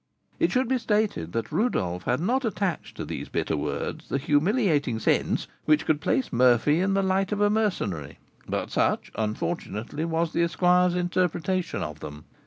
It should be stated that Rodolph had not attached to these bitter words the humiliating sense which could place Murphy in the light of a mercenary; but such, unfortunately, was the esquire's interpretation of them.